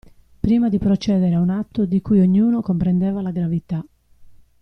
Prima di procedere a un atto di cui ognuno comprendeva la gravità.